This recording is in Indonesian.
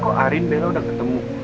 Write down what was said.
kok arin bilang udah ketemu